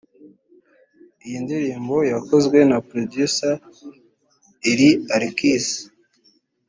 Iyi ndirimbo yakozwe na Producer Eli Arkhis